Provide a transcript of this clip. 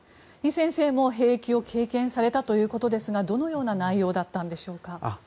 イ先生も兵役を経験されたということですがどのような内容だったんでしょうか。